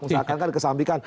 misalkan kan dikesampikan